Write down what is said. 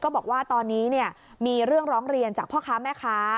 บอกว่าตอนนี้มีเรื่องร้องเรียนจากพ่อค้าแม่ค้า